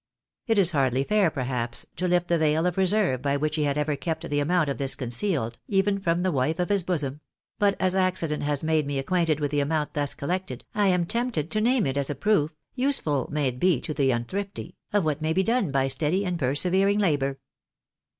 It is hardly fair, perhaps, to lift the veil of reserve by vs^hich he had ever kept the amount of this concealed, even from the wife of his bosom ; but, as accident has made me acquainted with the amount thus collected, I am tempted to name it as a proof (useful may it prove to the unthrifty !) of what may be done by steady and persevering labour.